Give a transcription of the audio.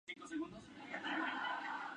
La sede del condado es Fort Yates.